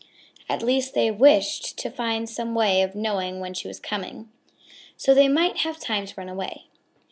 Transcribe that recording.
At least they wished to find some way of knowing when she was coming, so they might have time to run away.